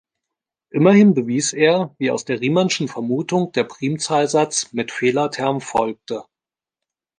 Immerhin bewies er, wie aus der Riemannschen Vermutung der Primzahlsatz mit Fehlerterm folgte.